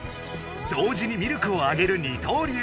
同時にミルクをあげる二刀流！